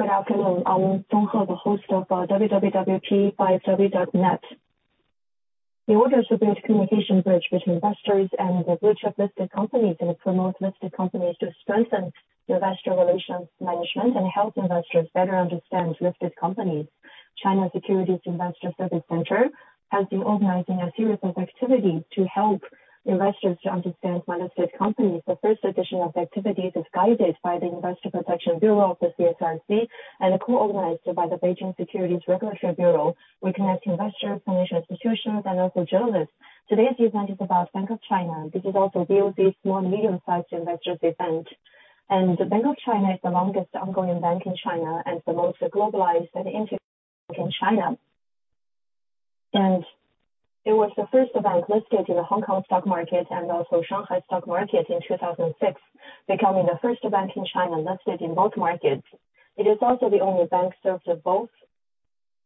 Good afternoon. I'm, [inaudible] the host of. [inaudible] In order to build communication bridge between investors and the group of listed companies and promote listed companies to strengthen investor relations management and help investors better understand listed companies, China Securities Investor Services Center has been organizing a series of activities to help investors to understand listed companies. The first edition of activities is guided by the Investor Protection Bureau of the CSRC and co-organized by the Beijing Securities Regulatory Bureau. We connect investors, financial institutions, and also journalists. Today's event is about Bank of China. This is also BOC small, medium-sized investors event. Bank of China is the longest ongoing bank in China and the most globalized and interesting bank in China. It was the first bank listed in the Hong Kong stock market and also Shanghai stock market in 2006, becoming the first bank in China listed in both markets. It is also the only bank served at both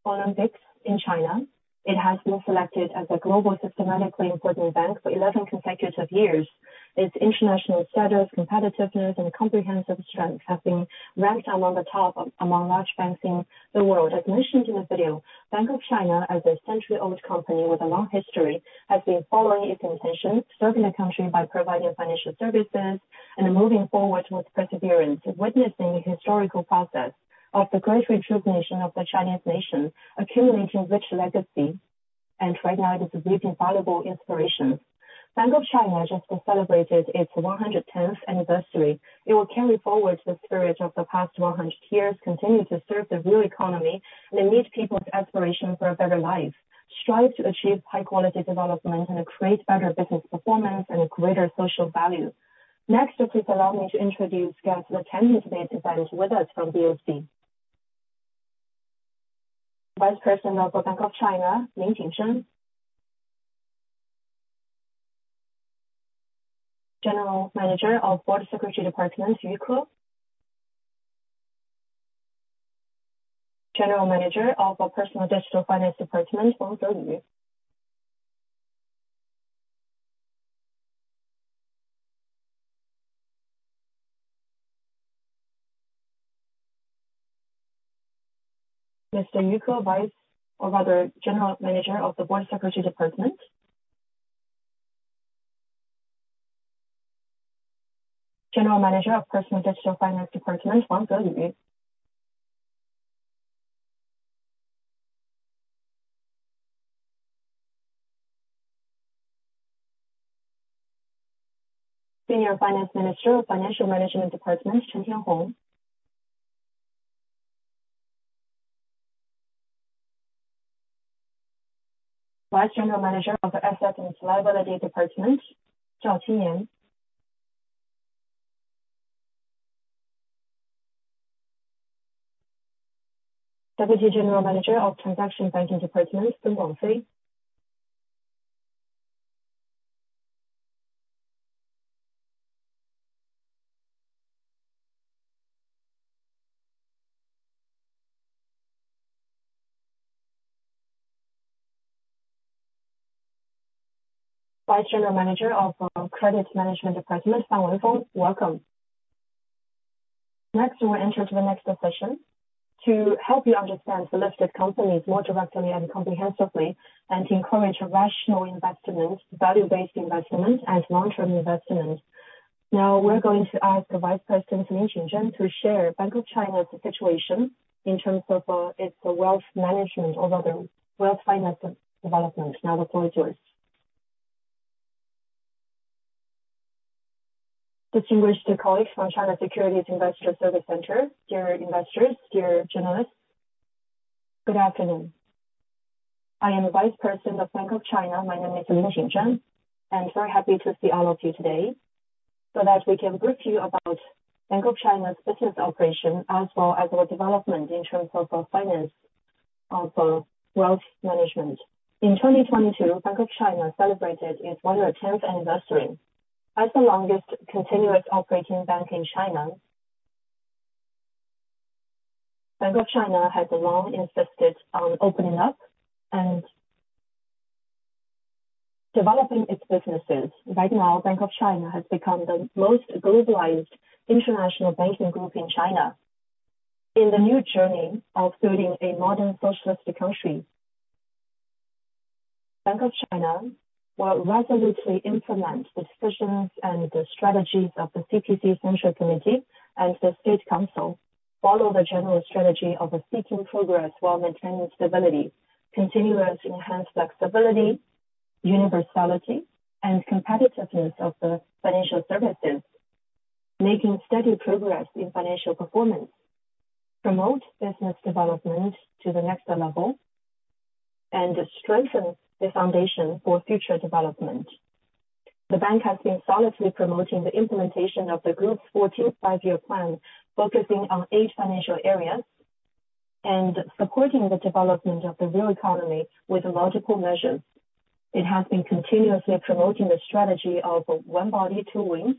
Olympics in China. It has been selected as a Global Systemically Important Bank for 11 consecutive years. Its international status, competitiveness, and comprehensive strength have been ranked among large banks in the world. As mentioned in the video, Bank of China, as a century-old company with a long history, has been following its intention to serving the country by providing financial services and moving forward with perseverance, witnessing the historical process of the great rejuvenation of the Chinese nation, accumulating rich legacy. Right now it is a valuable inspiration. Bank of China just celebrated its 110th anniversary. Please allow me to introduce guests attending today's event with us from BOC. Vice Chairman of the Bank of China, Lin Jingzhen. General Manager of Board Secretary Department, Yu Ke. General Manager of our Personal Digital Finance Department, Wang Zeyu. Mr. Yu Ke, General Manager of the Board Secretary Department. General Manager of Personal Digital Finance Department, Wang Zeyu. Senior Finance Minister of Financial Management Department, Chen Xiaohong. Vice General Manager of Asset and Liability Department, Zhao Qiyan. Deputy General Manager of Transaction Banking Department, Wang Fei. Vice General Manager of Credit Management Department, Feng Rifu. Welcome. Next, we will enter to the next session to help you understand the listed companies more directly and comprehensively and encourage rational investment, value-based investment, and long-term investment. We're going to ask the Vice President, Lin Jingzhen, to share Bank of China's situation in terms of its wealth management or rather wealth finance development. The floor is yours. Distinguished colleagues from China Securities Investor Service Center, dear investors, dear journalists, good afternoon. I am the vice president of Bank of China. My name is Lin Jingzhen. I'm very happy to see all of you today so that we can brief you about Bank of China's business operation as well as our development in terms of finance for wealth management. In 2022, Bank of China celebrated its 110th anniversary. As the longest continuous operating bank in China, Bank of China has long insisted on opening up and developing its businesses. Right now, Bank of China has become the most globalized international banking group in China. In the new journey of building a modern socialistic country, Bank of China will resolutely implement the decisions and the strategies of the CPC Central Committee and the State Council, follow the general strategy of seeking progress while maintaining stability, continuous enhanced flexibility, universality, and competitiveness of the financial services, making steady progress in financial performance, promote business development to the next level, and strengthen the foundation for future development. The bank has been solidly promoting the implementation of the group's 14th five year plan, focusing on eight financial areas and supporting the development of the real economy with logical measures. It has been continuously promoting the strategy of One Body, Two Wings,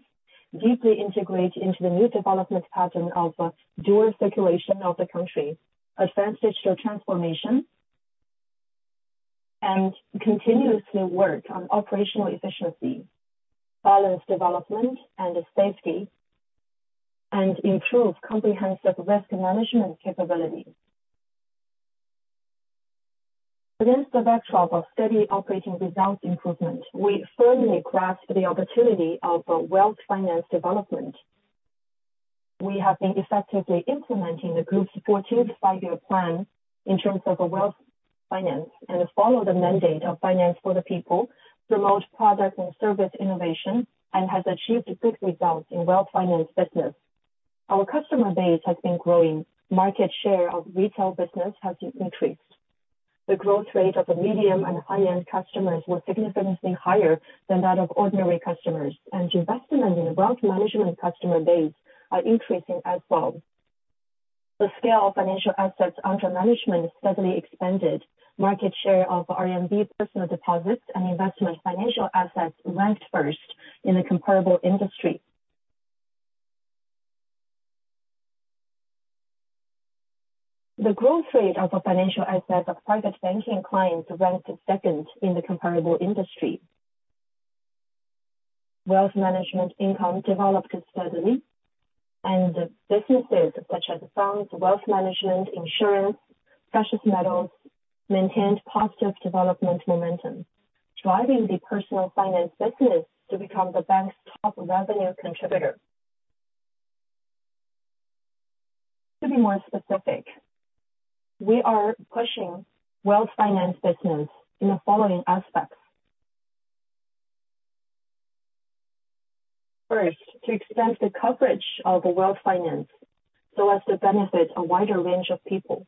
deeply integrate into the new development pattern of dual circulation of the country, advance digital transformation and continuously work on operational efficiency, balance development and safety, and improve comprehensive risk management capabilities. Against the backdrop of steady operating results improvement, we firmly grasp the opportunity of a wealth finance development. We have been effectively implementing the group's 14th five year plan in terms of a wealth finance and follow the mandate of finance for the people, promote product and service innovation, and have achieved good results in wealth finance business. Our customer base has been growing. Market share of retail business has increased. The growth rate of the medium and high-end customers was significantly higher than that of ordinary customers. Investment in the wealth management customer base are increasing as well. The scale of financial assets under management steadily expanded. Market share of RMB personal deposits and investment financial assets ranked first in the comparable industry. The growth rate of the financial assets of private banking clients ranked second in the comparable industry. Wealth management income developed steadily, and the businesses such as funds, wealth management, insurance, precious metals, maintained positive development momentum, driving the personal finance business to become the bank's top revenue contributor. To be more specific, we are pushing wealth finance business in the following aspects. First, to expand the coverage of the wealth finance so as to benefit a wider range of people.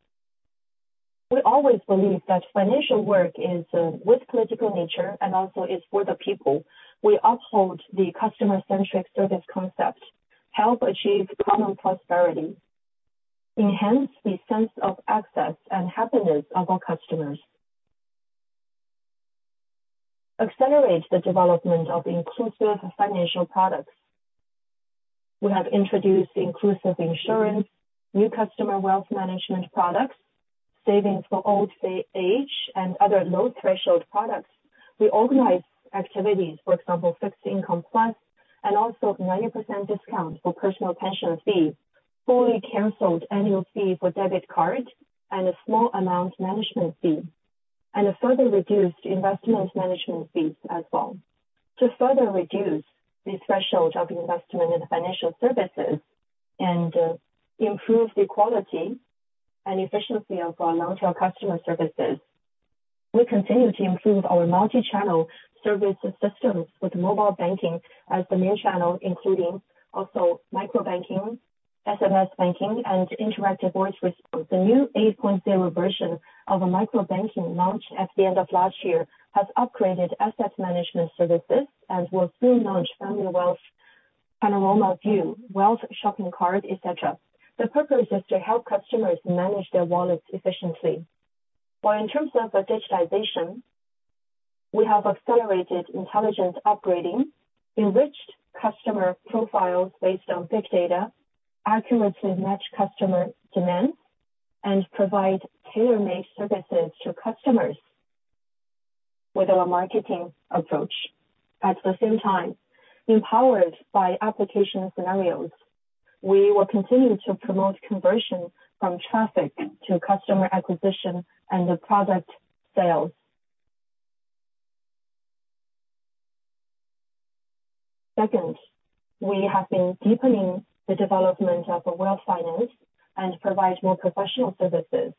We always believe that financial work is with political nature and also is for the people. We uphold the customer-centric service concept, help achieve common prosperity, enhance the sense of access and happiness of our customers. Accelerate the development of inclusive financial products. We have introduced inclusive insurance, new customer wealth management products, savings for old age, and other low-threshold products. We organize activities, for example, Fixed Income Plus and also 90% discount for personal pension fees, fully canceled annual fee for debit card and a small amount management fee, and further reduced investment management fees as well. To further reduce the threshold of investment in financial services and, improve the quality and efficiency of our long-term customer services. We continue to improve our multi-channel service systems with mobile banking as the main channel, including also micro banking, SMS banking, and interactive voice response. The new 8.0 version of a micro banking launched at the end of last year, has upgraded asset management services and will soon launch family wealth panorama view, Wealth Shopping Cart, et cetera. The purpose is to help customers manage their wallets efficiently. While in terms of the digitization, we have accelerated intelligence upgrading, enriched customer profiles based on big data, accurately match customer demands, and provide tailor-made services to customers with our marketing approach. At the same time, empowered by application scenarios. We will continue to promote conversion from traffic to customer acquisition and the product sales. Second, we have been deepening the development of the wealth finance and provide more professional services.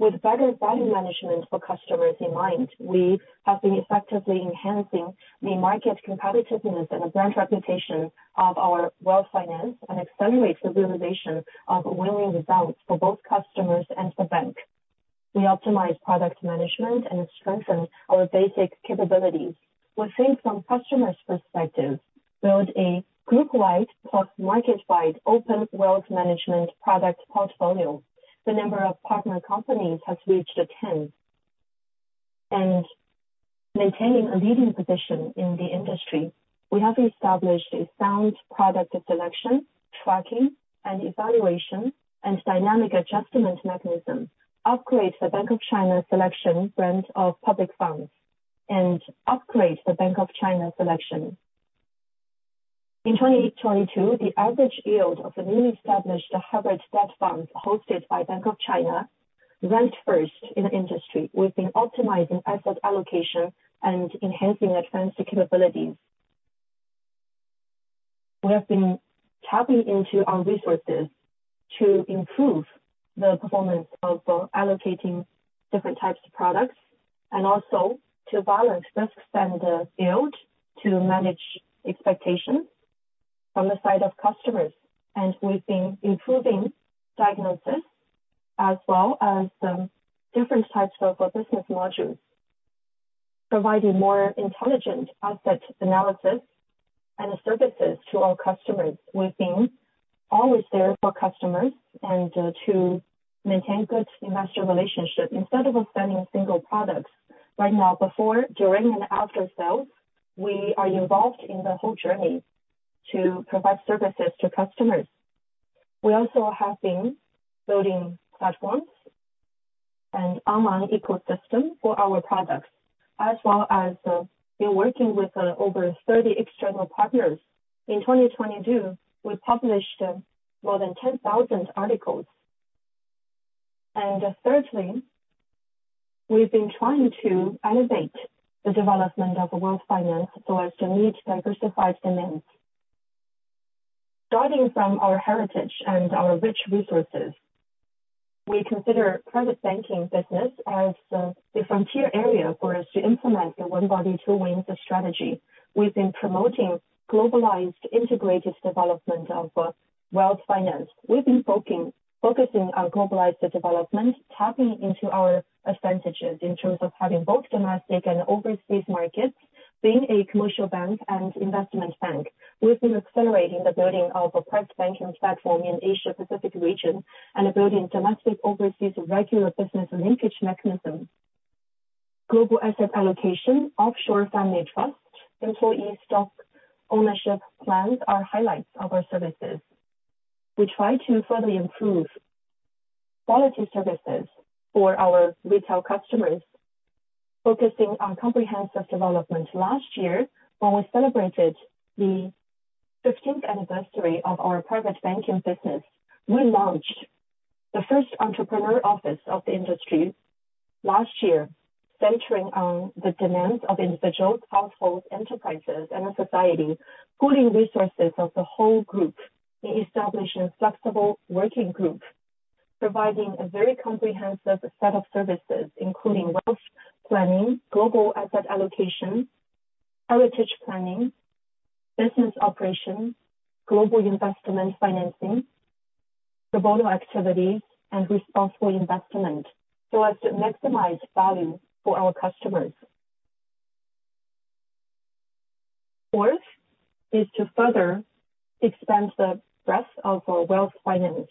With better value management for customers in mind, we have been effectively enhancing the market competitiveness and brand reputation of our wealth finance and accelerate the realization of winning results for both customers and the Bank. We optimize product management and strengthen our basic capabilities. We think from customers' perspective, build a group-wide plus market-wide open wealth management product portfolio. The number of partner companies has reached 10. Maintaining a leading position in the industry, we have established a sound product selection, tracking, and evaluation, and dynamic adjustment mechanism, upgrade the Bank of China selection brand of public funds, and upgrade the Bank of China selection. In 2022, the average yield of the newly established hybrid debt funds hosted by Bank of China ranked first in the industry. We've been optimizing asset allocation and enhancing advanced capabilities. We have been tapping into our resources to improve the performance of allocating different types of products and also to balance risks and yield to manage expectations from the side of customers. We've been improving diagnosis as well as different types of business modules, providing more intelligent asset analysis and services to our customers. We've been always there for customers and to maintain good investor relationship. Instead of spending single products right now, before, during, and after sales, we are involved in the whole journey to provide services to customers. We also have been building platforms and online ecosystem for our products, as well as been working with over 30 external partners. In 2022, we published more than 10,000 articles. Thirdly, we've been trying to elevate the development of world finance so as to meet diversified demands. Starting from our heritage and our rich resources, we consider private banking business as the frontier area for us to implement the One Body, Two Wings strategy. We've been promoting globalized integrated development of wealth finance. We've been focusing on globalized development, tapping into our advantages in terms of having both domestic and overseas markets, being a commercial bank and investment bank. We've been accelerating the building of a private banking platform in Asia Pacific region and building domestic overseas regular business linkage mechanisms. Global asset allocation, offshore family trust, employee stock ownership plans are highlights of our services. We try to further improve quality services for our retail customers, focusing on comprehensive development. Last year, when we celebrated the 15th anniversary of our private banking business, we launched the first Entrepreneur Office of the industry last year, centering on the demands of individuals, households, enterprises, and society. Pooling resources of the whole group and establishing a flexible working group, providing a very comprehensive set of services including wealth planning, global asset allocation, heritage planning, business operations, global investment financing, pro bono activities, and responsible investment, so as to maximize value for our customers. Fourth is to further expand the breadth of our wealth finance.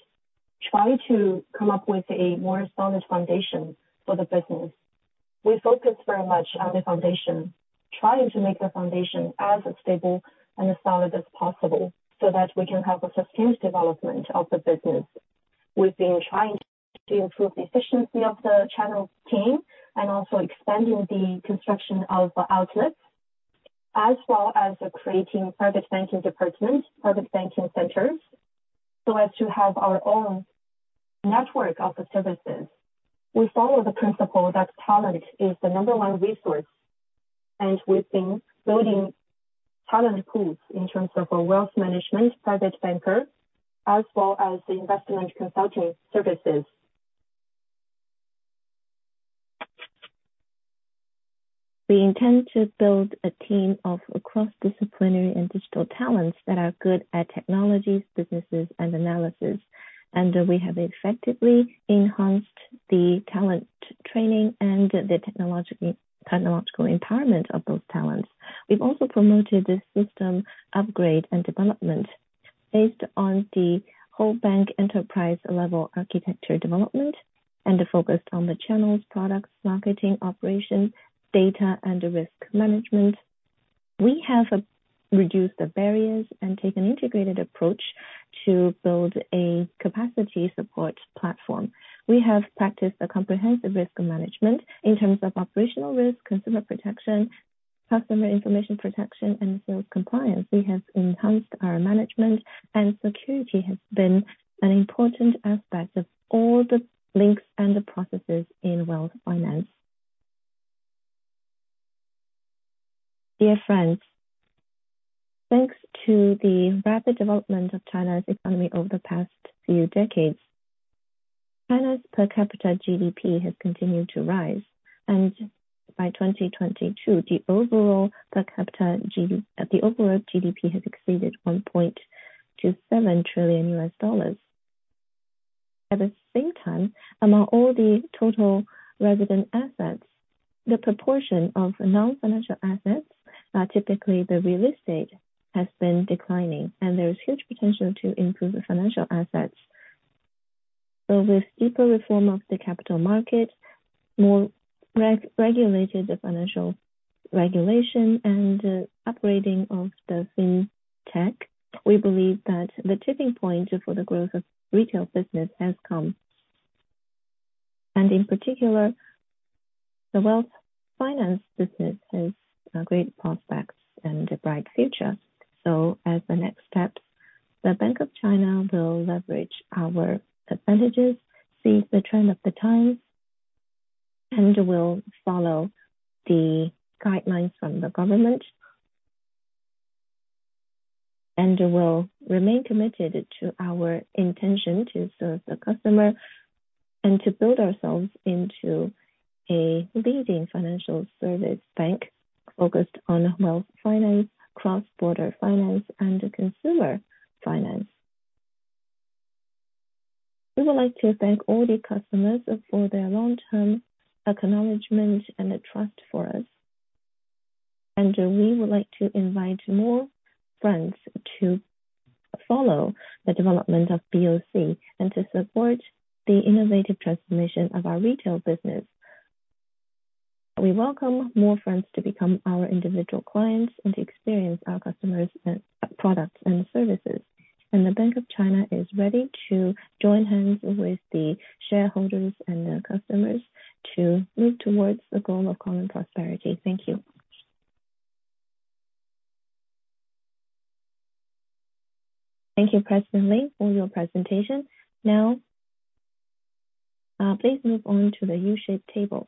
Try to come up with a more solid foundation for the business. We focus very much on the foundation, trying to make the foundation as stable and as solid as possible so that we can have a sustained development of the business. We've been trying to improve the efficiency of the channel team and also expanding the construction of outlets, as well as creating private banking departments, private banking centers, so as to have our own network of services. We follow the principle that talent is the number one resource, and we've been building talent pools in terms of our wealth management private banker as well as the investment consulting services. We intend to build a team of cross-disciplinary and digital talents that are good at technologies, businesses and analysis. We have effectively enhanced the talent training and the technological empowerment of those talents. We've also promoted a system upgrade and development based on the whole bank enterprise-level architecture development and focused on the channels, products, marketing, operations, data and risk management. We have reduced the barriers and take an integrated approach to build a capacity support platform. We have practiced a comprehensive risk management in terms of operational risk, consumer protection, customer information protection, and sales compliance. We have enhanced our management, and security has been an important aspect of all the links and the processes in wealth finance. Dear friends, thanks to the rapid development of China's economy over the past few decades, China's per capita GDP has continued to rise, and by 2022, the overall GDP has exceeded $1.27 trillion. At the same time, among all the total resident assets, the proportion of non-financial assets, typically the real estate, has been declining and there is huge potential to improve the financial assets. With deeper reform of the capital markets, more regulated financial regulation and upgrading of the fintech, we believe that the tipping point for the growth of retail business has come. In particular, the wealth finance business has great prospects and a bright future. As the next step, the Bank of China will leverage our advantages, seize the trend of the times, and will follow the guidelines from the government. Will remain committed to our intention to serve the customer and to build ourselves into a leading financial service bank focused on wealth finance, cross-border finance and consumer finance. We would like to thank all the customers for their long-term acknowledgment and the trust for us. We would like to invite more friends to follow the development of BOC and to support the innovative transformation of our retail business. We welcome more friends to become our individual clients and to experience our products and services. The Bank of China is ready to join hands with the shareholders and their customers to move towards the goal of common prosperity. Thank you. Thank you, President Lin, for your presentation. Now, please move on to the U-shaped table.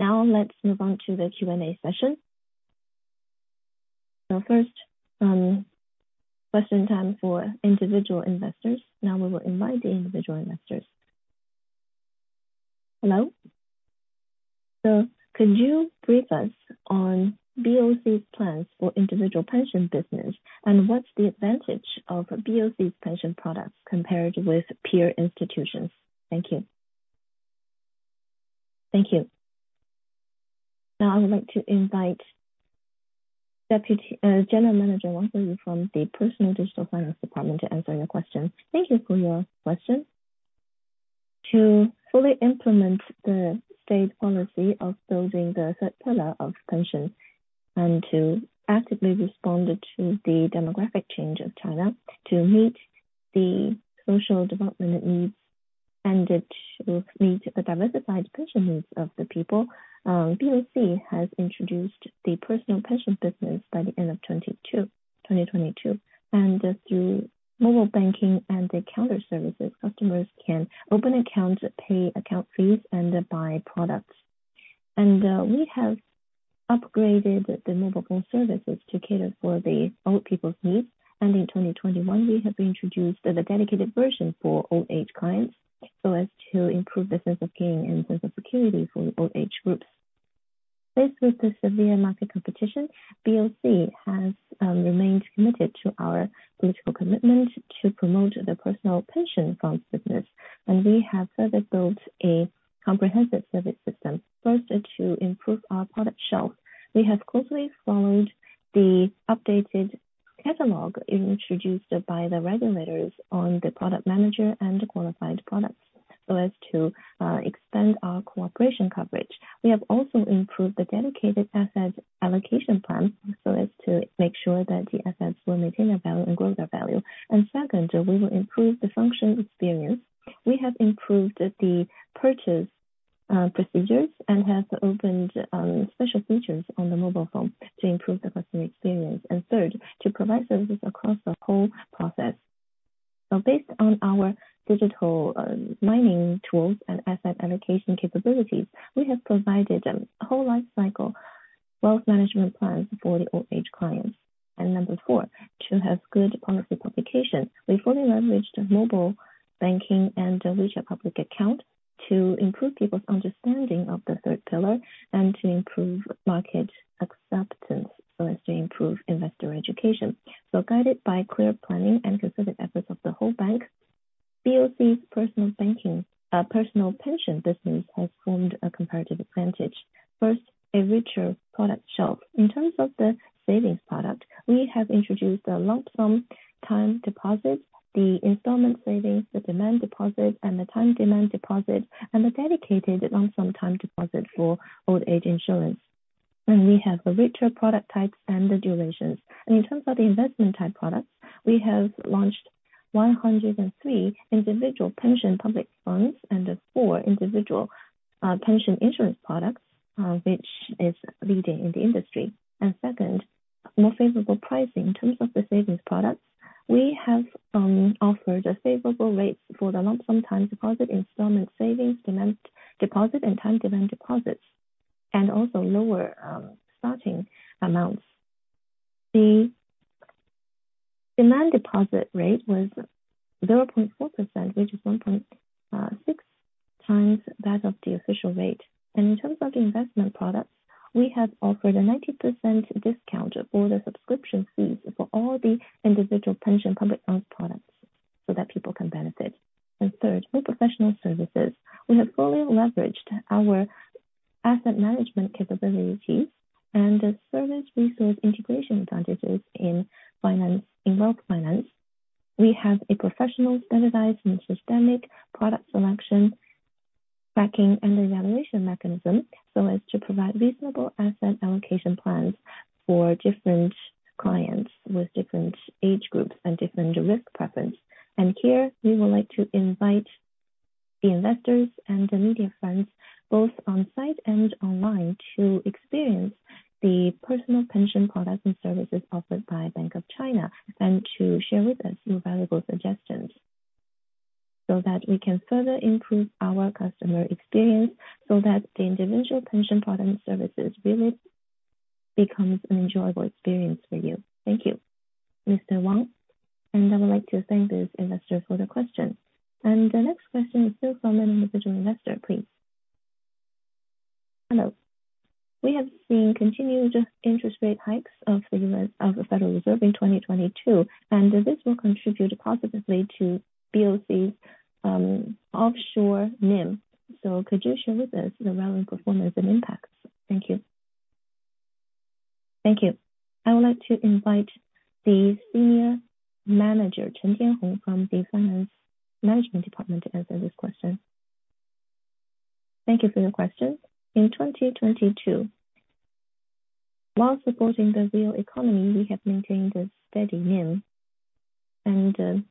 Now let's move on to the Q&A session. First, question time for individual investors. Now we will invite the individual investors. Hello. Could you brief us on BOC's plans for individual pension business, and what's the advantage of BOC's pension products compared with peer institutions? Thank you. Thank you. Now I would like to invite Deputy General Manager Wang Xinyu from the Personal Digital Finance Department to answer your question. Thank you for your question. To fully implement the state policy of building the third pillar of pension and to actively respond to the demographic change of China, to meet the social development needs and to meet the diversified pension needs of the people, BOC has introduced the personal pension business by the end of 2022. Through mobile banking and the counter services, customers can open accounts, pay account fees, and buy products. We have upgraded the mobile phone services to cater for the old people's needs. In 2021, we have introduced the dedicated version for old age clients so as to improve the sense of gain and sense of security for old age groups. Faced with the severe market competition, BOC has remained committed to our political commitment to promote the personal pension fund business. We have further built a comprehensive service system. To improve our product shelf. We have closely followed the updated catalog introduced by the regulators on the product manager and the qualified products so as to expand our cooperation coverage. We have also improved the dedicated asset allocation plan so as to make sure that the assets will maintain their value and grow their value. Second, we will improve the function experience. We have improved the purchase procedures and have opened special features on the mobile phone to improve the customer experience. Third, to provide services across the whole process. Based on our digital mining tools and asset allocation capabilities, we have provided a whole life cycle wealth management plans for the old age clients. Number four, to have good policy qualification. We fully leveraged mobile banking and WeChat public account to improve people's understanding of the third pillar and to improve market acceptance so as to improve investor education. Guided by clear planning and concerted efforts of the whole bank, BOC personal banking personal pension business has formed a comparative advantage. First, a richer product shelf. In terms of the savings product, we have introduced the lump sum time deposits, the installment savings, the demand deposit, and the time demand deposit, and the dedicated lump sum time deposit for old age insurance. We have richer product types and durations. In terms of the investment type products, we have launched 103 individual pension public funds and four individual pension insurance products, which is leading in the industry. Second, more favorable pricing. In terms of the savings products, we have offered favorable rates for the lump sum time deposit, installment savings, demand deposit, and time demand deposits, and also lower starting amounts. The demand deposit rate was 0.4%, which is 1.6 times that of the official rate. In terms of investment products, we have offered a 90% discount for the subscription fees for all the individual pension public funds products so that people can benefit. Third, more professional services. We have fully leveraged our asset management capabilities and the service resource integration advantages in finance, in wealth finance. We have a professional, standardized and systemic product selection, tracking and evaluation mechanism so as to provide reasonable asset allocation plans for different clients with different age groups and different risk preference. Here we would like to invite the investors and the media friends, both on-site and online, to experience the personal pension products and services offered by Bank of China, and to share with us your valuable suggestions. That we can further improve our customer experience so that the individual pension product services really becomes an enjoyable experience for you. Thank you. Mr. Wang. I would like to thank this investor for the question. The next question is still from an individual investor, please. Hello. We have seen continued interest rate hikes of the Federal Reserve in 2022, and this will contribute positively to BOC offshore NIM. Could you share with us the relevant performance and impacts? Thank you. Thank you. I would like to invite the Senior Manager, Chen Yifang from the Financial Management Department to answer this question. Thank you for your question. In 2022, while supporting the real economy, we have maintained a steady NIM and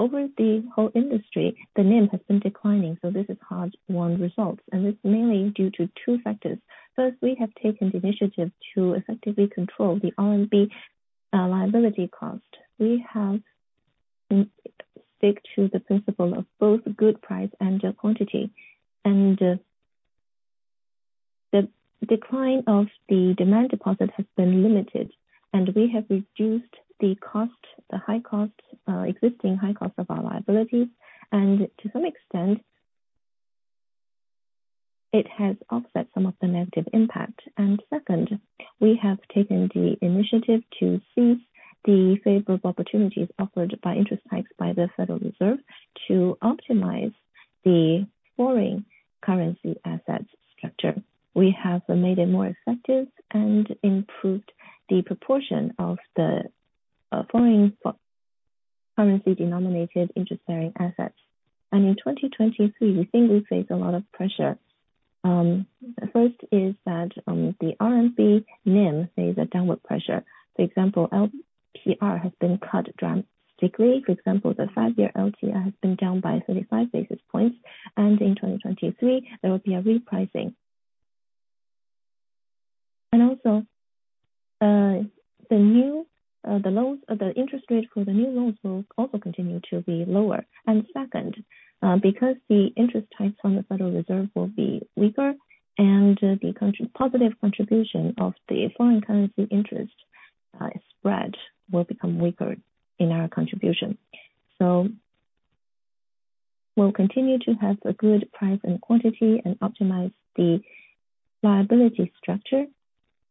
over the whole industry, the NIM has been declining, this is hard-won results, and it's mainly due to two factors. First, we have taken the initiative to effectively control the RMB liability cost. We have stick to the principle of both good price and quantity, and the decline of the demand deposit has been limited, and we have reduced the cost, the high cost, existing high cost of our liabilities, and to some extent it has offset some of the negative impact. Second, we have taken the initiative to seize the favorable opportunities offered by interest hikes by the Federal Reserve to optimize the foreign currency assets structure. We have made it more effective and improved the proportion of the foreign currency denominated interest-bearing assets. In 2023, we think we face a lot of pressure. First is that the RMB NIM faces a downward pressure. For example, LPR has been cut dramatically. For example, the 5-year LPR has been down by 35 basis points, and in 2023 there will be a repricing. Also, the new interest rate for the new loans will also continue to be lower. Second, because the interest hikes from the Federal Reserve will be weaker and the positive contribution of the foreign currency interest spread will become weaker in our contribution. We'll continue to have a good price and quantity and optimize the liability structure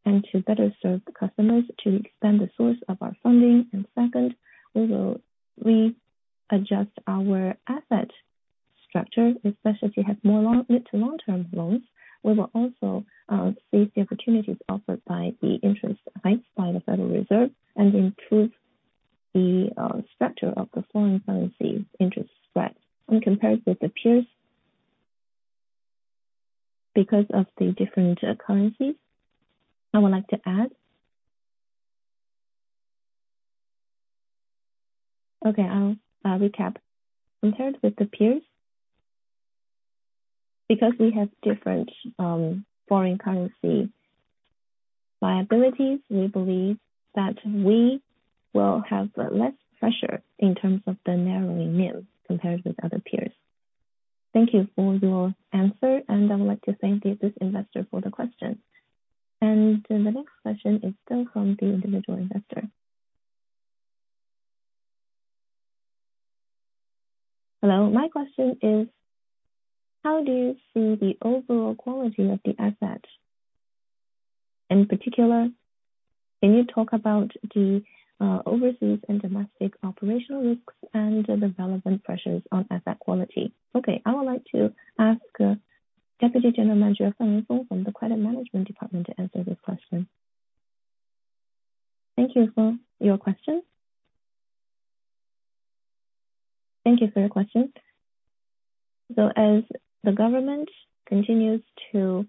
and to better serve the customers to extend the source of our funding. Second, we will readjust our asset structure, especially if we have more mid to long term loans. We will also seize the opportunities offered by the interest hikes by the Federal Reserve and improve the structure of the foreign currency interest spread. In comparison with the peers. Because of the different currencies, I would like to add. Okay, I'll recap. Compared with the peers, because we have different foreign currency liabilities, we believe that we will have less pressure in terms of the narrowing NIM compared with other peers. Thank you for your answer, and I would like to thank this investor for the question. The next question is still from the individual investor. Hello. My question is, how do you see the overall quality of the assets? In particular, can you talk about the overseas and domestic operational risks and the relevant pressures on asset quality? Okay, I would like to ask Deputy General Manager Feng Rifu from the Credit Management Department to answer this question. Thank you for your question. As the government continues to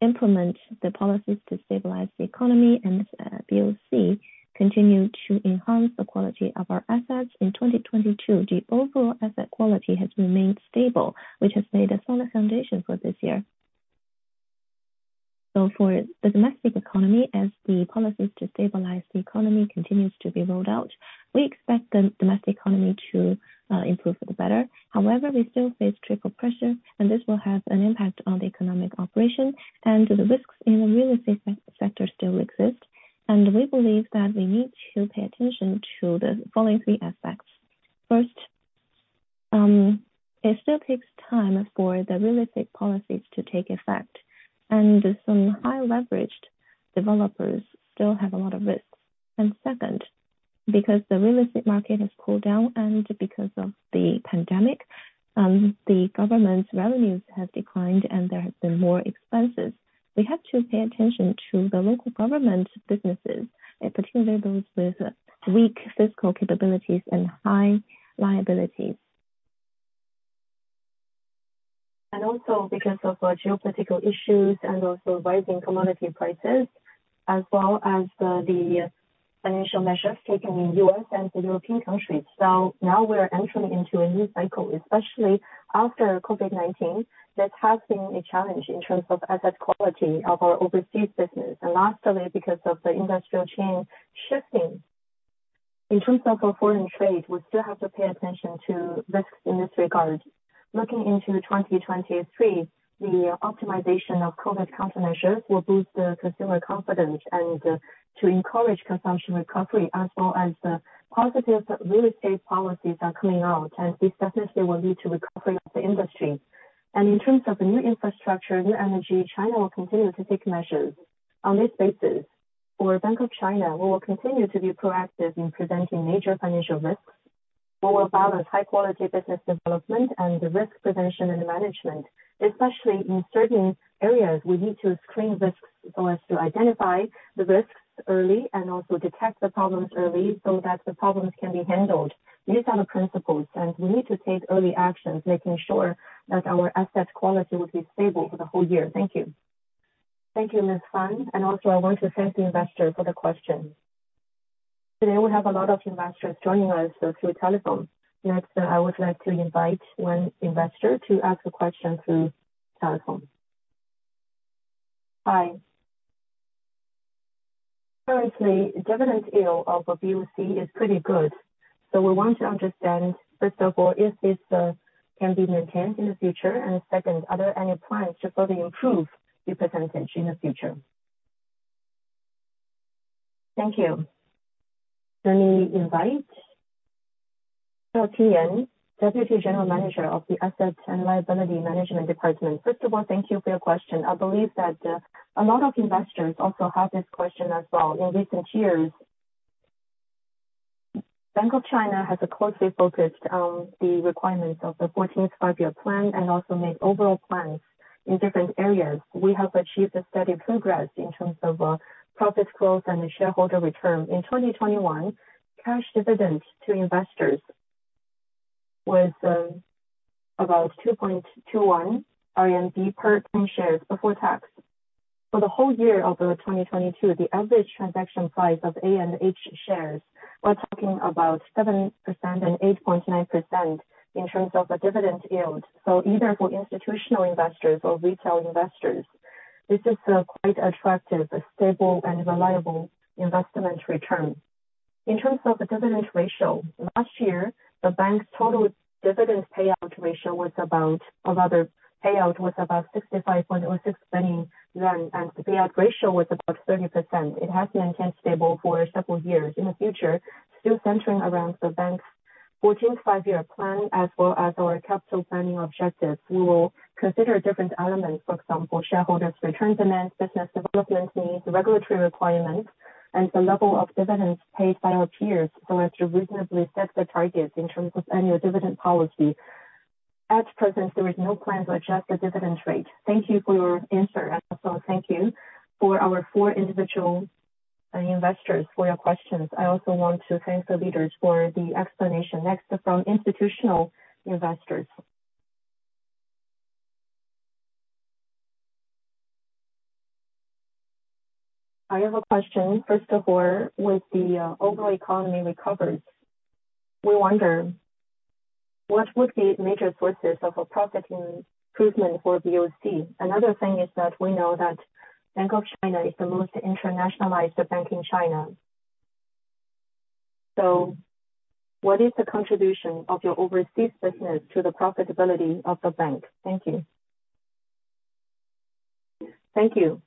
implement the policies to stabilize the economy and as BOC continue to enhance the quality of our assets, in 2022, the overall asset quality has remained stable, which has laid a solid foundation for this year. For the domestic economy, as the policies to stabilize the economy continues to be rolled out, we expect the domestic economy to improve for the better. However, we still face triple pressure and this will have an impact on the economic operation and the risks in the real estate sector still exist. We believe that we need to pay attention to the following three aspects. First, it still takes time for the real estate policies to take effect, and some high-leveraged developers still have a lot of risks. Second, because the real estate market has cooled down and because of the pandemic, the government's revenues have declined and there has been more expenses. We have to pay attention to the local government businesses, and particularly those with weak fiscal capabilities and high liabilities. Also because of geopolitical issues and also rising commodity prices, as well as the financial measures taken in U.S. and the European countries. Now we're entering into a new cycle, especially after COVID-19. That has been a challenge in terms of asset quality of our overseas business. Lastly, because of the industrial chain. In terms of foreign trade, we still have to pay attention to risks in this regard. Looking into 2023, the optimization of COVID countermeasures will boost the consumer confidence and to encourage consumption recovery, as well as the positive real estate policies are coming out, and this definitely will lead to recovery of the industry. In terms of new infrastructure, new energy, China will continue to take measures. On this basis, for Bank of China, we will continue to be proactive in preventing major financial risks. We will balance high quality business development and risk prevention and management, especially in certain areas we need to screen risks, so as to identify the risks early and also detect the problems early, so that the problems can be handled. These are the principles. We need to take early actions, making sure that our asset quality will be stable for the whole year. Thank you. Thank you, Ms. Fan. Also I want to thank the investor for the question. Today, we have a lot of investors joining us through telephone. Next, I would like to invite one investor to ask a question through telephone. Hi. Currently, dividend yield of a BOC is pretty good. We want to understand, first of all, if this can be maintained in the future. Second, are there any plans to further improve the percentage in the future? Thank you. Let me invite Xiao Tian, Deputy General Manager of the Assets and Liability Management Department. First of all, thank you for your question. I believe that a lot of investors also have this question as well. In recent years, Bank of China has closely focused on the requirements of the 14th five year plan and also made overall plans in different areas. We have achieved a steady progress in terms of profit growth and shareholder return. In 2021, cash dividend to investors was about 2.21 RMB per 10 shares before tax. For the whole year of 2022, the average transaction price of A-share and H-share, we're talking about 7% and 8.9% in terms of the dividend yield. Either for institutional investors or retail investors, this is quite attractive, a stable and reliable investment return. In terms of the dividend ratio, last year the bank's total dividends payout ratio Of other payout was about 65.06, and payout ratio was about 30%. It has maintained stable for several years. In the future, still centering around the bank's 14th five year plan, as well as our capital planning objectives, we will consider different elements. For example, shareholders return demands, business development needs, regulatory requirements, and the level of dividends paid by our peers, so as to reasonably set the targets in terms of annual dividend policy. At present, there is no plan to adjust the dividend rate. Thank you for your answer. Also thank you for our four individual investors for your questions. I also want to thank the leaders for the explanation. Next, from institutional investors. I have a question. First of all, with the overall economy recovery, we wonder what would be major sources of a profit improvement for BOC? Another thing is that we know that Bank of China is the most internationalized bank in China. What is the contribution of your overseas business to the profitability of the bank? Thank you. Thank you.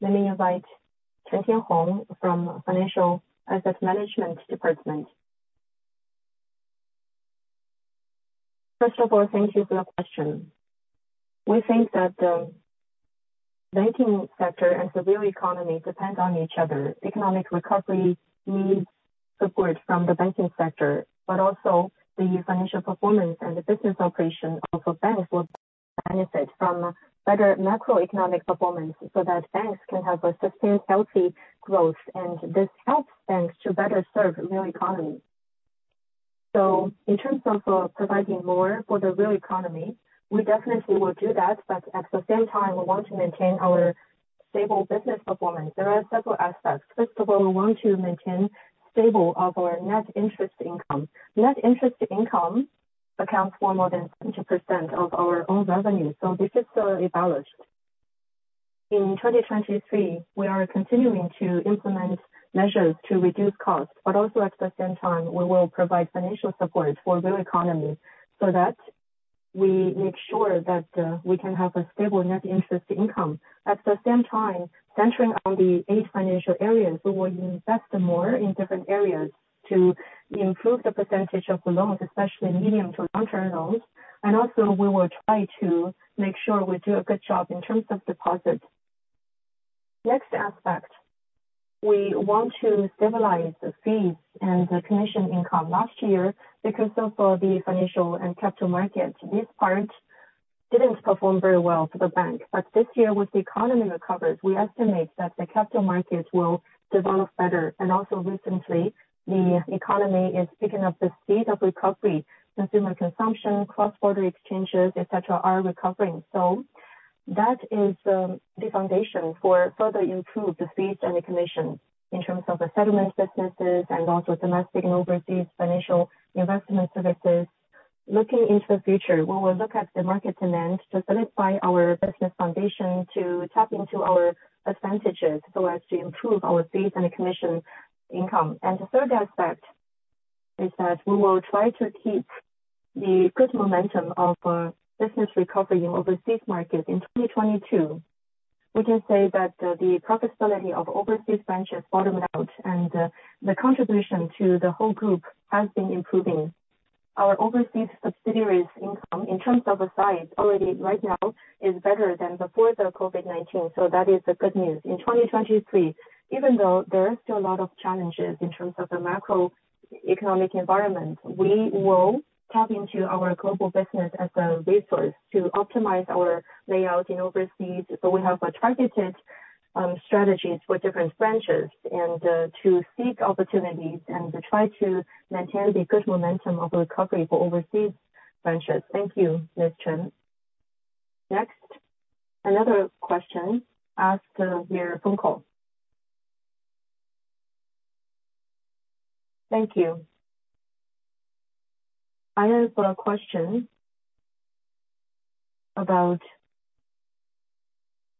Let me invite Chen Qinghong from Financial Asset Management Department. First of all, thank you for your question. We think that the banking sector and the real economy depend on each other. Economic recovery needs support from the banking sector, but also the financial performance and the business operation of a bank will benefit from better macroeconomic performance, so that banks can have a sustained, healthy growth. This helps banks to better serve real economy. In terms of providing more for the real economy, we definitely will do that, but at the same time, we want to maintain our stable business performance. There are several aspects. First of all, we want to maintain stable of our net interest income. Net interest income accounts for more than 20% of our own revenue, this is a balance. In 2023, we are continuing to implement measures to reduce costs, at the same time, we will provide financial support for real economy we make sure that we can have a stable net interest income. At the same time, centering on the eight Financial Areas, we will invest more in different areas to improve the percentage of the loans, especially medium to long-term loans. We will try to make sure we do a good job in terms of deposits. Next aspect, we want to stabilize the fees and the commission income. Last year, because of the financial and capital markets, this part didn't perform very well for the bank. This year, with the economy recovery, we estimate that the capital markets will develop better. Recently, the economy is picking up the state of recovery. Consumer consumption, cross-border exchanges, et cetera, are recovering. That is the foundation for further improve the fees and the commissions in terms of the settlement businesses and also domestic and overseas financial investment services. Looking into the future, we will look at the market demand to solidify our business foundation to tap into our advantages so as to improve our fees and commission income. The third aspect is that we will try to keep the good momentum of business recovery in overseas market in 2022. We can say that the profitability of overseas branches bottomed out, and the contribution to the whole group has been improving. Our overseas subsidiaries income in terms of the size already right now is better than before the COVID-19. That is the good news. In 2023, even though there are still a lot of challenges in terms of the macroeconomic environment, we will tap into our global business as a resource to optimize our layout in overseas. We have a targeted strategies for different branches and to seek opportunities and to try to maintain the good momentum of recovery for overseas branches. Thank you, Ms. Chen. Next, another question, ask via phone call. Thank you. I have a question about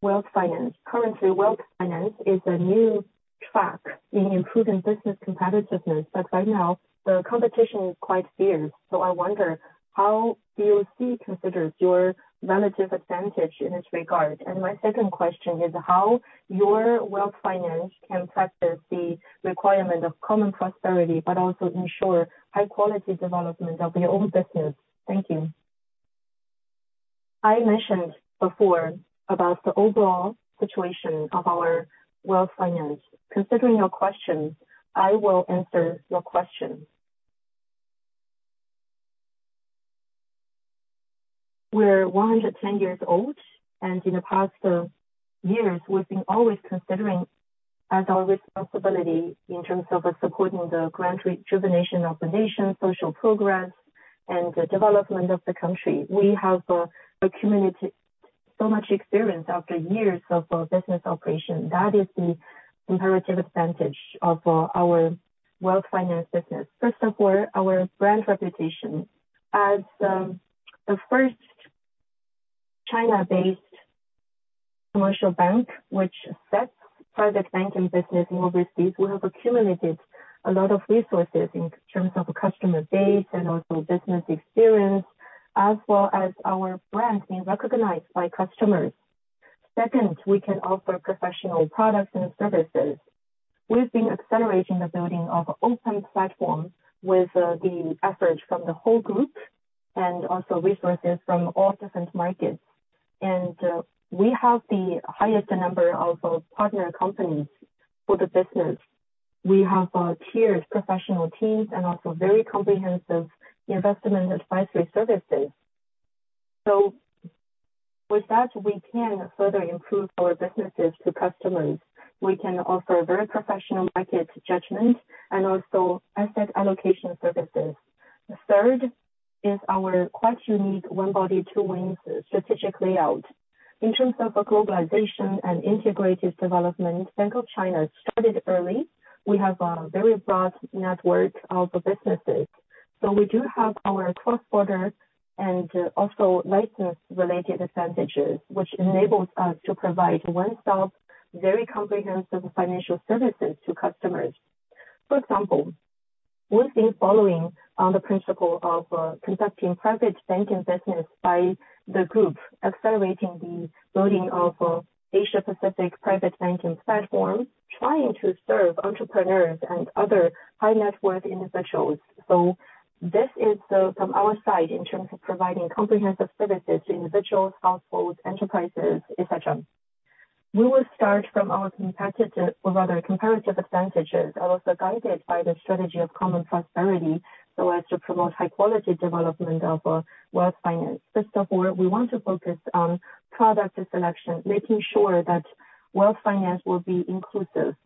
wealth finance. Currently, wealth finance is a new track in improving business competitiveness, right now the competition is quite fierce. I wonder, how BOC considers your relative advantage in this regard? My second question is how your wealth finance can practice the requirement of common prosperity but also ensure high quality development of your own business. Thank you. I mentioned before about the overall situation of our wealth finance. Considering your question, I will answer your question. We're 110 years old. In the past, years, we've been always considering as our responsibility in terms of supporting the grand rejuvenation of the nation, social progress and the development of the country. We have accumulated so much experience after years of business operation. That is the comparative advantage of our wealth finance business. First of all, our brand reputation. As the first China-based commercial bank which sets private banking business overseas, we have accumulated a lot of resources in terms of customer base and also business experience, as well as our brand being recognized by customers. Second, we can offer professional products and services. We've been accelerating the building of open platform with the efforts from the whole group and also resources from all different markets. We have the highest number of partner companies for the business. We have tiered professional teams and also very comprehensive investment advisory services. With that, we can further improve our businesses to customers. We can offer very professional market judgment and also asset allocation services. The third is our quite unique One Body, Two Wings strategic layout. In terms of a globalization and integrated development, Bank of China started early. We have a very broad network of businesses. We do have our cross-border and also license-related advantages, which enables us to provide one-stop, very comprehensive financial services to customers. For example, we've been following on the principle of conducting private banking business by the group, accelerating the building of Asia-Pacific private banking platform, trying to serve entrepreneurs and other high-net-worth individuals. This is the, from our side in terms of providing comprehensive services to individuals, households, enterprises, et cetera. We will start from our competitive, or rather comparative advantages, and also guided by the strategy of common prosperity so as to promote high quality development of wealth finance. First of all, we want to focus on product selection, making sure that wealth finance will be inclusive.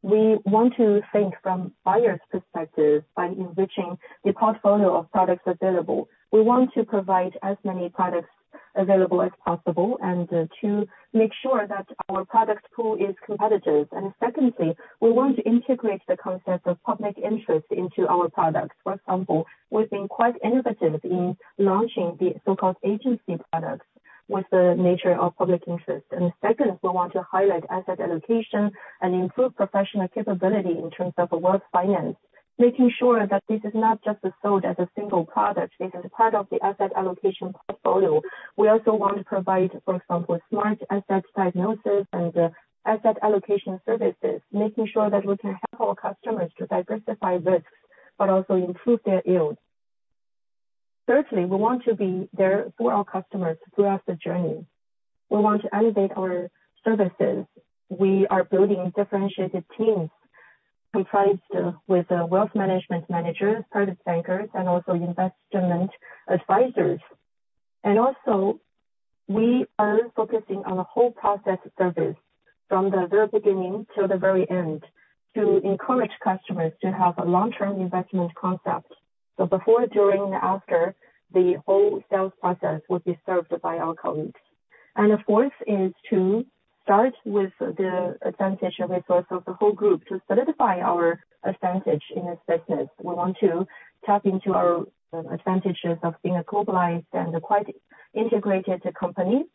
We want to think from buyer's perspective by enriching the portfolio of products available. We want to provide as many products available as possible and to make sure that our product pool is competitive. Secondly, we want to integrate the concept of public interest into our products. For example, we've been quite innovative in launching the so-called agency products with the nature of public interest. Second, we want to highlight asset allocation and improve professional capability in terms of wealth finance, making sure that this is not just sold as a single product, it is part of the asset allocation portfolio. We also want to provide, for example, smart asset diagnosis and asset allocation services, making sure that we can help our customers to diversify risks but also improve their yields. Thirdly, we want to be there for our customers throughout the journey. We want to elevate our services. We are building differentiated teams comprised with wealth management managers, private bankers and also investment advisors. We are focusing on a whole process service from the very beginning to the very end to encourage customers to have a long-term investment concept. Before, during and after, the whole sales process will be served by our colleagues. Of course is to start with the advantage and resource of the whole group to solidify our advantage in this business. We want to tap into our advantages of being a globalized and quite integrated company,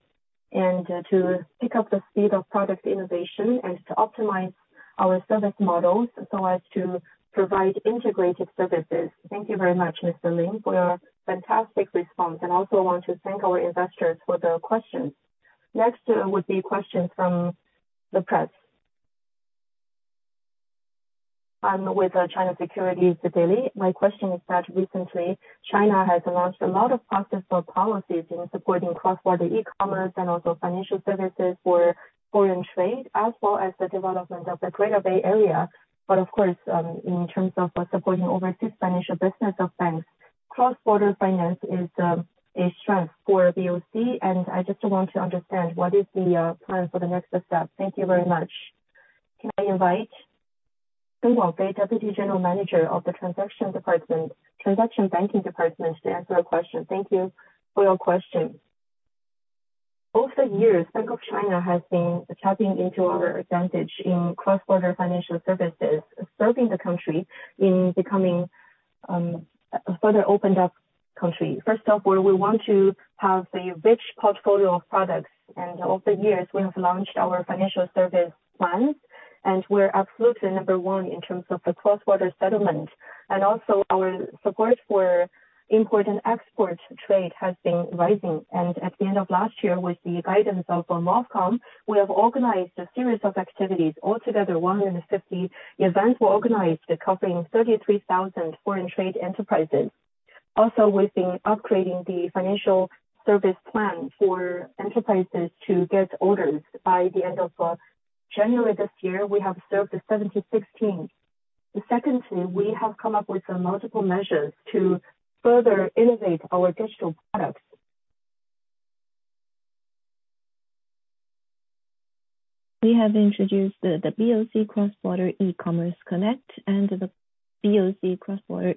and to pick up the speed of product innovation and to optimize our service models so as to provide integrated services. Thank you very much, Mr. Lin, for your fantastic response. I also want to thank our investors for their questions. Next, would be questions from the press. I'm with China Securities Daily. My question is that recently China has launched a lot of practical policies in supporting cross-border e-commerce and also financial services for foreign trade, as well as the development of the Greater Bay Area. Of course, in terms of supporting overseas financial business of banks, cross-border finance is a strength for BOC, and I just want to understand what is the plan for the next step. Thank you very much. Can I invite Wang Fei, Deputy General Manager of the Transaction Banking Department to answer our question. Thank you for your question. Over the years, Bank of China has been tapping into our advantage in cross-border financial services, serving the country in becoming a further opened up country. First off, where we want to have a rich portfolio of products, and over the years, we have launched our financial service plans. We're absolutely number one in terms of the cross-border settlement. Also our support for import and export trade has been rising. At the end of last year, with the guidance of OFCOM, we have organized a series of activities. Altogether, 150 events were organized covering 33,000 foreign trade enterprises. Also, we've been upgrading the financial service plan for enterprises to get orders. By the end of January this year, we have served 76 teams. Secondly, we have come up with some multiple measures to further innovate our digital products. We have introduced the BOC Cross-border E-Commerce Connect and the BOC Cross-border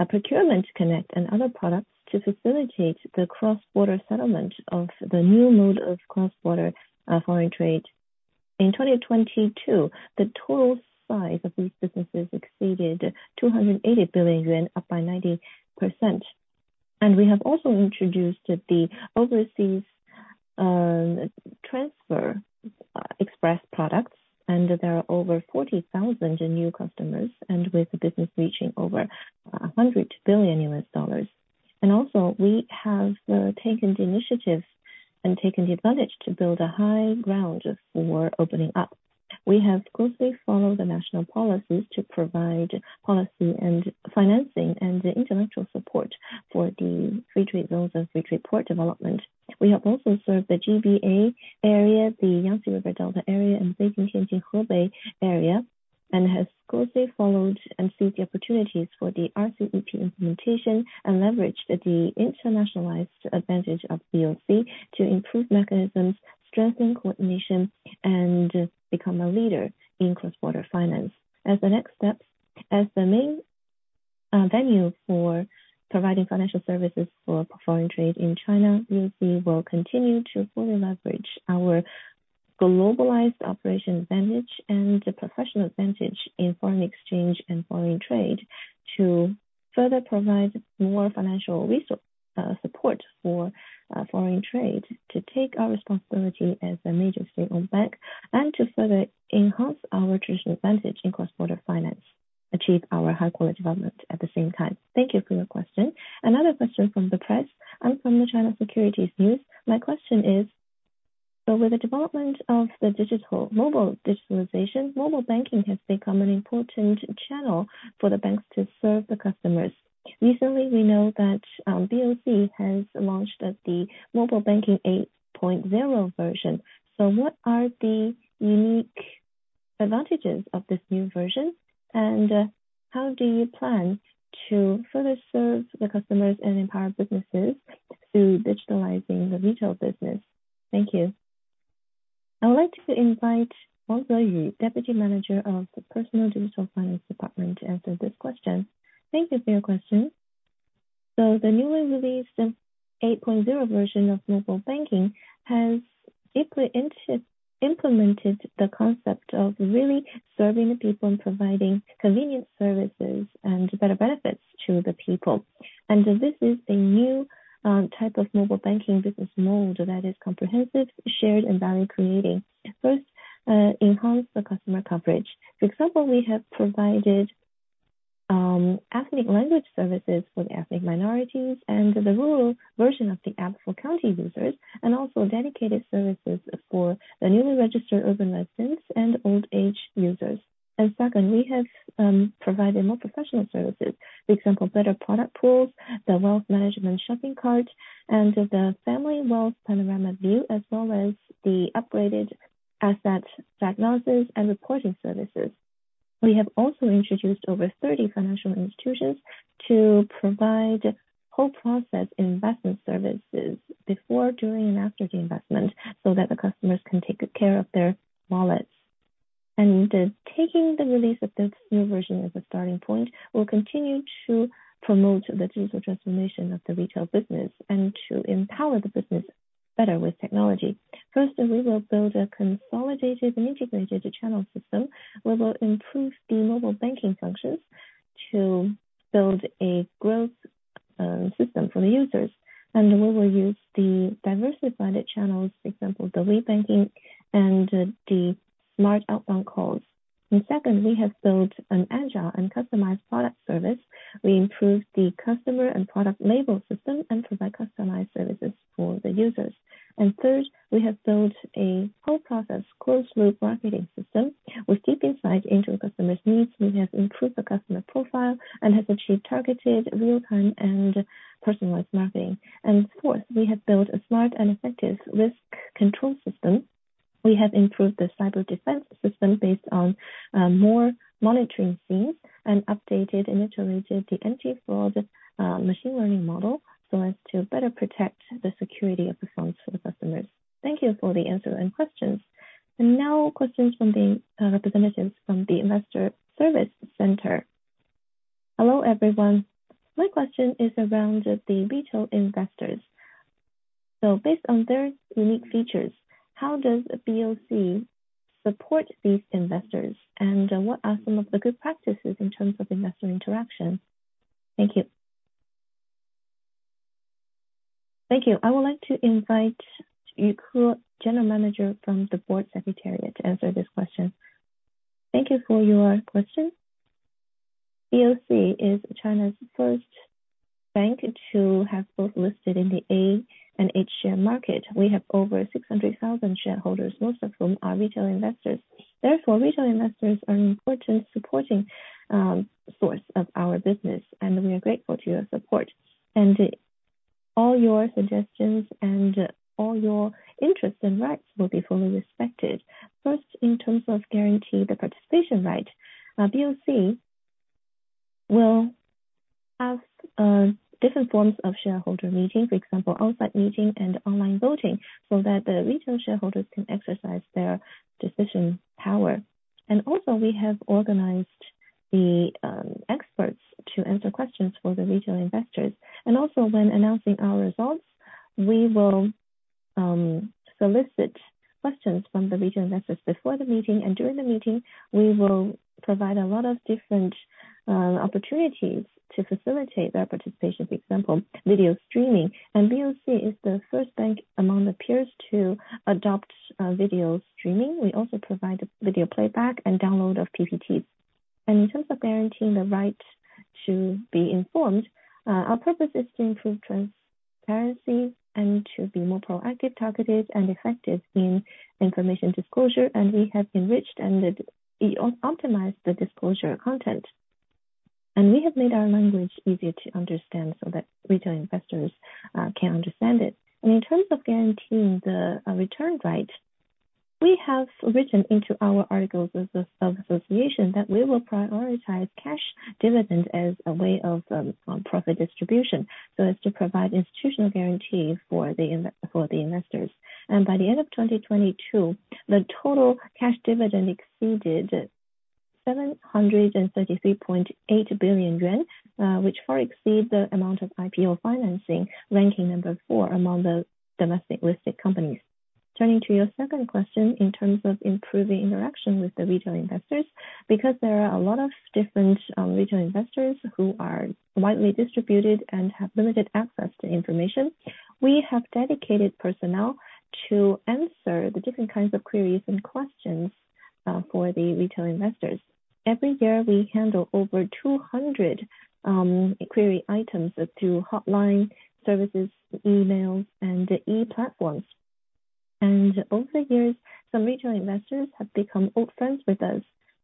e-Procurement Connect and other products to facilitate the cross-border settlement of the new mode of cross-border foreign trade. In 2022, the total size of these businesses exceeded 280 billion yuan, up by 90%. We have also introduced the Overseas Transfer Express products. There are over 40,000 new customers, with the business reaching over $100 billion. We have taken the initiative and taken the advantage to build a high ground for opening up. We have closely followed the national policies to provide policy and financing and intellectual support for the free trade zones and free trade port development. We have also served the GBA area, the Yangtze River Delta area and Beijing-Tianjin-Hebei area. We have closely followed and seized the opportunities for the RCEP implementation and leveraged the internationalized advantage of BOC to improve mechanisms, strengthen coordination, and become a leader in cross-border finance. As the next step, as the main venue for providing financial services for foreign trade in China, we will continue to fully leverage our globalized operation advantage and the professional advantage in foreign exchange and foreign trade to further provide more financial support for foreign trade, to take our responsibility as a major state-owned bank, and to further enhance our traditional advantage in cross-border finance, achieve our high-quality development at the same time. Thank you for your question. Another question from the press. I'm from the China Securities News. My question is, over the development of the mobile digitalization, mobile banking has become an important channel for the banks to serve the customers. Recently, we know that BOC has launched the Mobile Banking 8.0 version. What are the unique advantages of this new version? How do you plan to further serve the customers and empower businesses through digitalizing the retail business? Thank you. I would like to invite Wang Zuoyue, Deputy Manager of the Personal Digital Finance Department, to answer this question. Thank you for your question. The newly released 8.0 version of mobile banking has deeply implemented the concept of really serving the people and providing convenient services and better benefits to the people. This is a new type of mobile banking business model that is comprehensive, shared and value-creating. First, enhance the customer coverage. For example, we have provided ethnic language services for the ethnic minorities and the rural version of the app for county users, and also dedicated services for the newly registered urban residents and old age users. Second, we have provided more professional services. For example, better product pools, the Wealth Shopping Cart, and the family wealth panorama view, as well as the upgraded asset diagnosis and reporting services. We have also introduced over 30 financial institutions to provide whole process investment services before, during, and after the investment, so that the customers can take good care of their wallets. Taking the release of this new version as a starting point, we'll continue to promote the digital transformation of the retail business and to empower the business better with technology. First, we will build a consolidated and integrated channel system where we'll improve the mobile banking functions to build a growth system for the users. We will use the diversified channels, for example, the lead banking and the smart outbound calls. Second, we have built an agile and customized product service. We improved the customer and product label system provide customized services for the users. Third, we have built a whole process closed-loop marketing system. With deep insights into customers' needs, we have improved the customer profile and have achieved targeted real-time and personalized marketing. Fourth, we have built a smart and effective risk control system. We have improved the cyber defense system based on more monitoring scenes and updated and integrated the anti-fraud machine learning model so as to better protect the security of the funds for the customers. Thank you for the answer and questions. Now questions from the representatives from the investor service center. Hello, everyone. My question is around the retail investors. Based on their unique features, how does BOC support these investors? What are some of the good practices in terms of investor interaction? Thank you. Thank you. I would like to invite Yu Ke, General Manager from the Board Secretariat to answer this question. Thank you for your question. BOC is China's first bank to have both listed in the A-share and H-share market. We have over 600,000 shareholders, most of whom are retail investors. Retail investors are an important supporting source of our business, and we are grateful to your support. All your suggestions and all your interests and rights will be fully respected. First, in terms of guarantee the participation right, BOC will have different forms of shareholder meeting, for example, on-site meeting and online voting, so that the retail shareholders can exercise their decision power. Also we have organized the experts to answer questions for the retail investors. Also when announcing our results, we will solicit questions from the retail investors before the meeting and during the meeting. We will provide a lot of different opportunities to facilitate their participation, for example, video streaming. BOC is the first bank among the peers to adopt video streaming. We also provide video playback and download of PPTs. In terms of guaranteeing the right to be informed, our purpose is to improve transparency and to be more proactive, targeted, and effective in information disclosure, and we have enriched and optimized the disclosure content. We have made our language easier to understand so that retail investors can understand it. In terms of guaranteeing the return right, we have written into our articles of association that we will prioritize cash dividend as a way of profit distribution, so as to provide institutional guarantees for the investors. By the end of 2022, the total cash dividend exceeded 733.8 billion yuan, which far exceeds the amount of IPO financing, ranking 4 among the domestic-listed companies. Turning to your second question, in terms of improving interaction with the retail investors, because there are a lot of different retail investors who are widely distributed and have limited access to information, we have dedicated personnel to answer the different kinds of queries and questions for the retail investors. Every year, we handle over 200 query items through hotline services, emails, and e-platforms. Over the years, some retail investors have become old friends with us.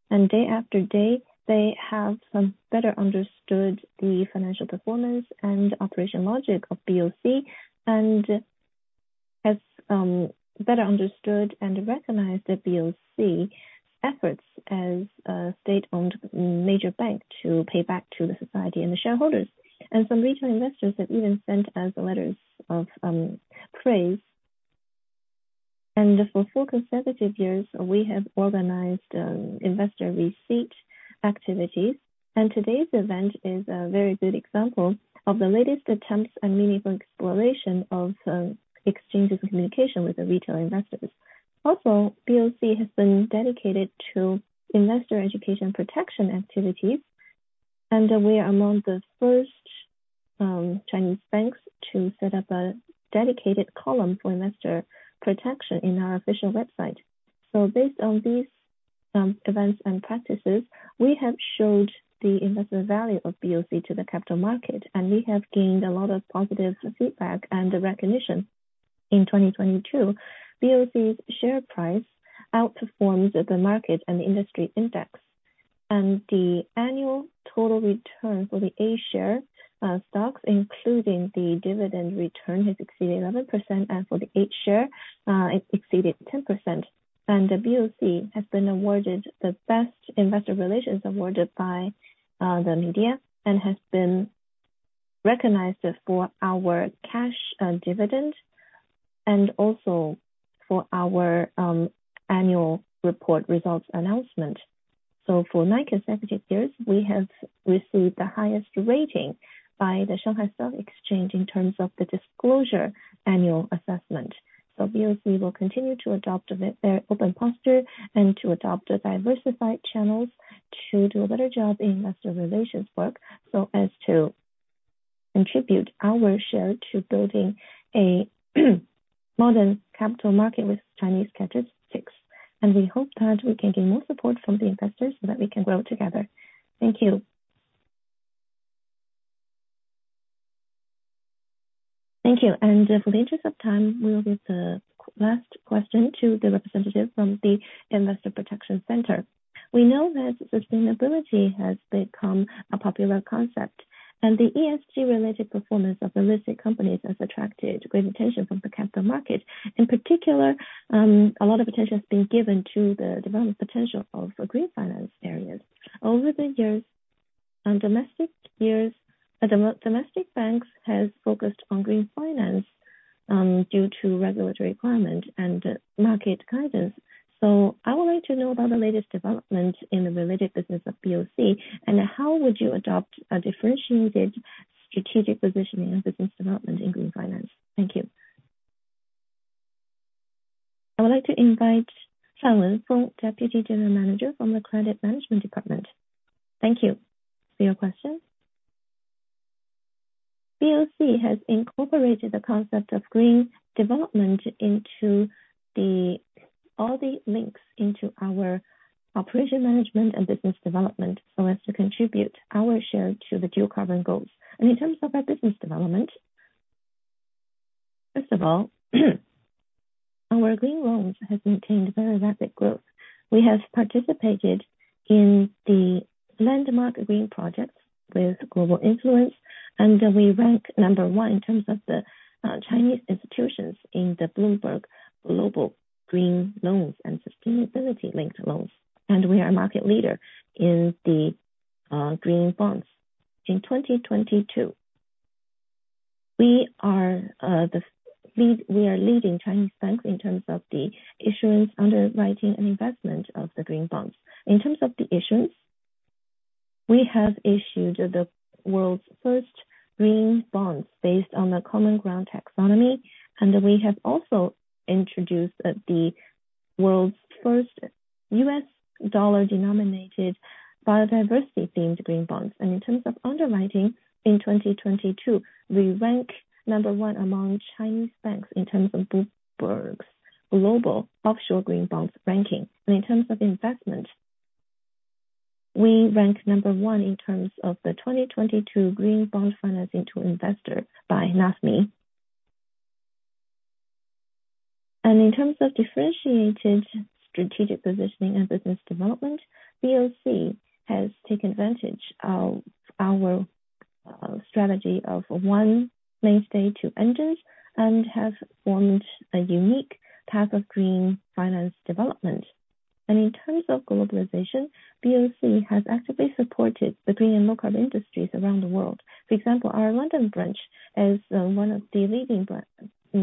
Day after day, they have some better understood the financial performance and operational logic of BOC, and has better understood and recognized the BOC efforts as a state-owned major bank to pay back to the society and the shareholders. Some retail investors have even sent us letters of praise. For four consecutive years, we have organized investor receipt activities. Today's event is a very good example of the latest attempts and meaningful exploration of exchanges of communication with the retail investors. Also, BOC has been dedicated to investor education protection activities, and we are among the first Chinese banks to set up a dedicated column for investor protection in our official website. Based on these events and practices, we have showed the investor value of BOC to the capital market, and we have gained a lot of positive feedback and recognition. In 2022, BOC's share price outperforms the market and the industry index. The annual total return for the A-share stocks, including the dividend return, has exceeded 11%, and for the H-share, it exceeded 10%. BOC has been awarded the best investor relations awarded by the media and recognized for our cash and dividend and also for our annual report results announcement. For nine consecutive years, we have received the highest rating by the Shanghai Stock Exchange in terms of the disclosure annual assessment. BOC will continue to adopt a open posture and to adopt a diversified channels to do a better job investor relations work so as to contribute our share to building a modern capital market with Chinese characteristics. We hope that we can gain more support from the investors so that we can grow together. Thank you. Thank you. For the interest of time, we will give the last question to the representative from the Investor Protection Center. We know that sustainability has become a popular concept, and the ESG related performance of the listed companies has attracted great attention from the capital market. In particular, a lot of attention is being given to the development potential of a green finance areas. Over the years, on domestic years, the domestic banks has focused on green finance due to regulatory requirement and market guidance. I would like to know about the latest development in the related business of BOC and how would you adopt a differentiated strategic positioning and business development in green finance. Thank you. I would like to invite Sharon Fung, Deputy General Manager from the Credit Management Department. Thank you for your question. BOC has incorporated the concept of green development into all the links into our operation management and business development so as to contribute our share to the dual carbon goals. In terms of our business development, first of all, our green loans has maintained very rapid growth. We have participated in the landmark green projects with global influence, we rank number one in terms of the Chinese institutions in the Bloomberg Global Green Loans and Sustainability-linked Loans. We are market leader in the green bonds. In 2022, we are leading Chinese bank in terms of the issuance, underwriting and investment of the green bonds. In terms of the issuance, we have issued the world's first green bonds based on the Common Ground Taxonomy, we have also introduced the world's first U.S. dollar-denominated biodiversity-themed green bonds. In terms of underwriting, in 2022, we rank number one among Chinese banks in terms of Bloomberg's global offshore green bonds ranking. In terms of investment, we rank number one in terms of the 2022 green bond financing to investors by NAFMII. In terms of differentiated strategic positioning and business development, BOC has taken advantage of our strategy of One Mainstay, Two Engines, and have formed a unique path of green finance development. In terms of globalization, BOC has actively supported the green and low-carb industries around the world. For example, our London branch is one of the leading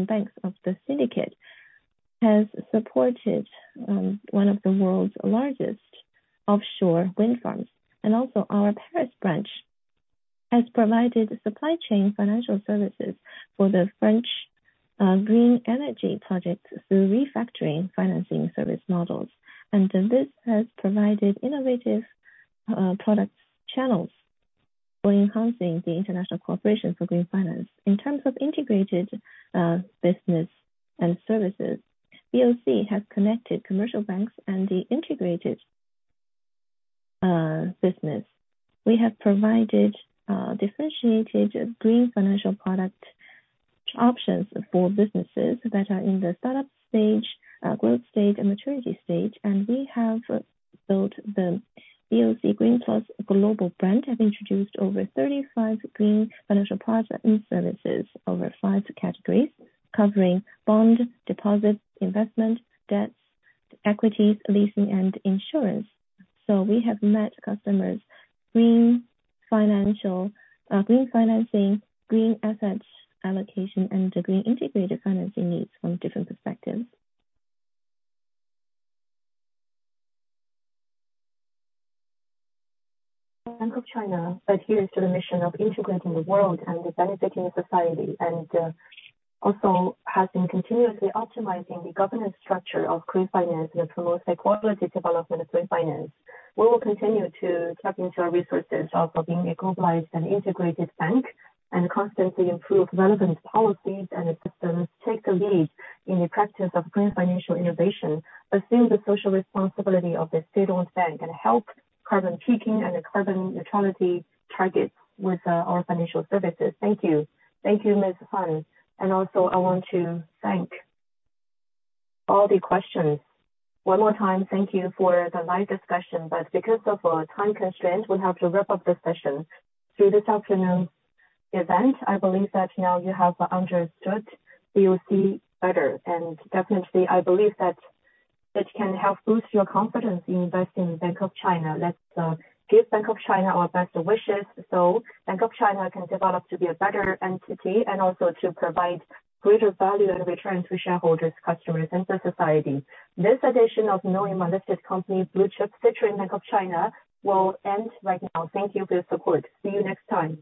banks of the syndicate, has supported one of the world's largest offshore wind farms. Also our Paris branch has provided supply chain financial services for the French green energy project through refactoring financing service models. This has provided innovative product channels for enhancing the international cooperation for green finance. In terms of integrated business and services, BOC has connected commercial banks and the integrated business. We have provided differentiated green financial product options for businesses that are in the startup stage, growth stage and maturity stage. We have built the BOC Green plus global brand, have introduced over 35 green financial products and services over five categories covering bond, deposits, investment, debts, equities, leasing and insurance. We have met customers green financial, green financing, green assets allocation, and the green integrated financing needs from different perspectives. Bank of China adheres to the mission of integrating the world and benefiting society, and also has been continuously optimizing the governance structure of green finance and promote high-quality development of green finance. We will continue to tap into our resources of being a globalized and integrated bank and constantly improve relevant policies and systems, take the lead in the practice of green financial innovation, assume the social responsibility of the state-owned bank, and help carbon peaking and carbon neutrality targets with our financial services. Thank you. Thank you, Ms. Fung. Also I want to thank all the questions. One more time, thank you for the live discussion, but because of a time constraint, we have to wrap up the session. Through this afternoon's event, I believe that now you have understood BOC better. Definitely, I believe that that can help boost your confidence in investing in Bank of China. Let's give Bank of China our best wishes so Bank of China can develop to be a better entity and also to provide greater value and return to shareholders, customers and the society. This edition of Knowing Unlisted Company Blue Chips Feature in Bank of China will end right now. Thank you for your support. See you next time.